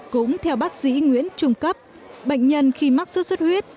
cũng theo bác sĩ nguyễn trung cấp bệnh nhân khi mắc suất huyết